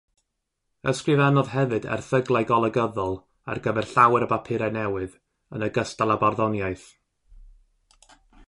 Ysgrifennodd hefyd erthyglau golygyddol ar gyfer llawer o bapurau newydd, yn ogystal â barddoniaeth.